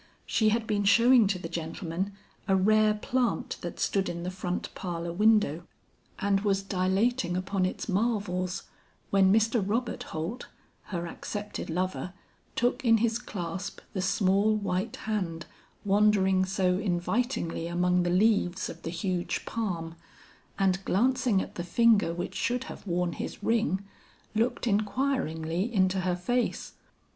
She had been showing to the gentlemen a rare plant that stood in the front parlor window, and was dilating upon its marvels, when Mr. Robert Holt, her accepted lover, took in his clasp the small white hand wandering so invitingly among the leaves of the huge palm, and glancing at the finger which should have worn his ring, looked inquiringly into her face.